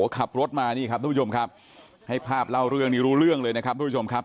ขับรถมานี่ครับทุกผู้ชมครับให้ภาพเล่าเรื่องนี้รู้เรื่องเลยนะครับทุกผู้ชมครับ